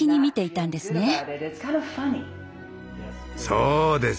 そうです。